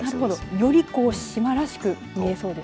より島らしく見えそうです。